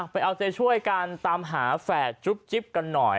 ไปเอาใจช่วยกันตามหาแฝดจุ๊บจิ๊บกันหน่อย